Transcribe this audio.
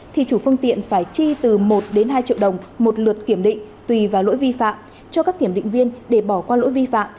thì chủ phương tiện phải chi từ một đến hai triệu đồng một lượt kiểm định tùy vào lỗi vi phạm cho các kiểm định viên để bỏ qua lỗi vi phạm